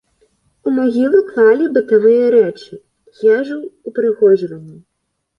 У магілу клалі бытавыя рэчы, ежу, упрыгожванні.